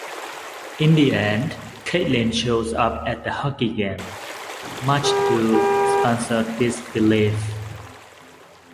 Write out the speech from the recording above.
In the end, Katelin shows up at the hockey game, much to Spencer's disbelief.